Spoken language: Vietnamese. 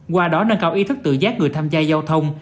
qua đó nâng cao ý thức tự giác người tham gia giao thông